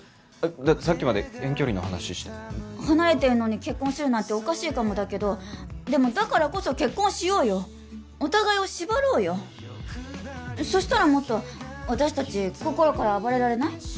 だってさっきまで遠距離の話してて離れてるのに結婚するなんておかしいかもだけどでもだからこそ結婚しようよお互いを縛ろうよそしたらもっと私達心から暴れられない？